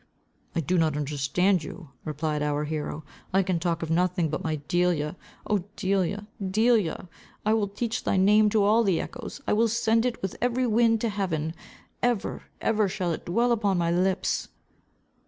"I do not understand you," replied our hero. "I can talk of nothing but my Delia. Oh Delia! Delia! I will teach thy name to all the echoes. I will send it with every wind to heaven. Ever, ever, shall it dwell upon my lips."